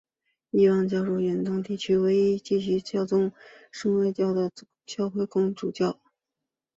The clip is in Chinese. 伊望主教是远东地区唯一继续效忠国外圣主教公会的主教。